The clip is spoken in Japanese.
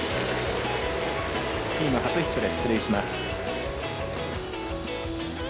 チーム初ヒットで出塁します。